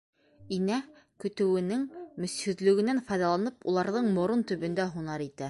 Инә көтөүенең мөсһөҙлөгөнән файҙаланып, уларҙың морон төбөндә һунар итә.